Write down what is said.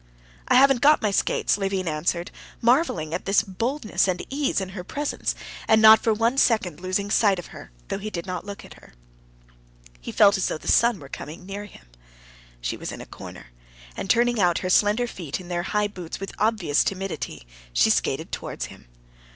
"I haven't got my skates," Levin answered, marveling at this boldness and ease in her presence, and not for one second losing sight of her, though he did not look at her. He felt as though the sun were coming near him. She was in a corner, and turning out her slender feet in their high boots with obvious timidity, she skated towards him.